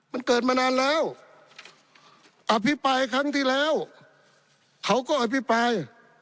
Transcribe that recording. มันเกิดมานานแล้วอภิปรายครั้งที่แล้วเขาก็อภิปราย